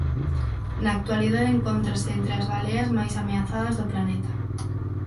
Na actualidade encóntrase entre as baleas máis ameazadas do planeta.